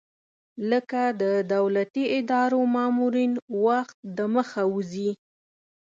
لکه د دولتي ادارو مامورین وخت دمخه وځي.